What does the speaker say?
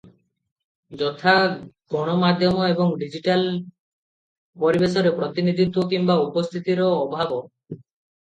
ଯଥା ଗଣମାଧ୍ୟମ ଏବଂ ଡିଜିଟାଲ ପରିବେଶରେ ପ୍ରତିନିଧିତ୍ୱ କିମ୍ବା ଉପସ୍ଥିତିର ଅଭାବ ।